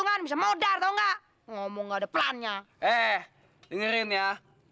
nyatok kayak berasa